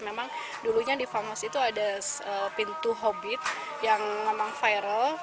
memang dulunya di fangos itu ada pintu hobit yang memang viral